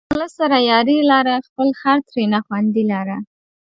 غله سره یاري لره، خپل خر ترېنه خوندي لره